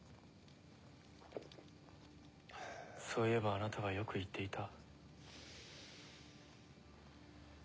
そういえばあなたはよく言っていた。